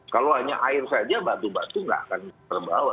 kalau hanya air saja batu batu nggak akan terbawa